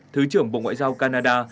thứ trưởng bộ ngoại giao canada